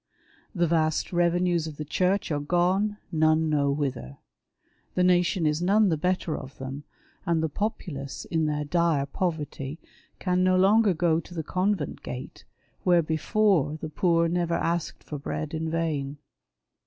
The vast revenues of the Church are gone, none know whither. The nation is none the better of them, and the populace, in their dire poverty, can no longer go to the convent gate, where before the poor never asked for l)read in vain.